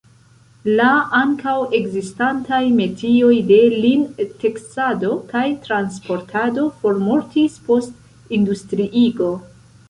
La ankaŭ ekzistantaj metioj de lin-teksado kaj transportado formortis post industriigo.